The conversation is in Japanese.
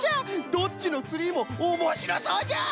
どっちのツリーもおもしろそうじゃ！